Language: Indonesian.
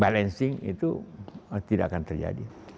balancing itu tidak akan terjadi